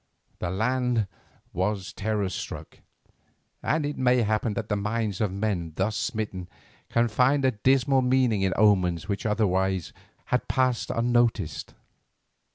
The land was terror struck, and it may happen that the minds of men thus smitten can find a dismal meaning in omens which otherwise had passed unnoticed.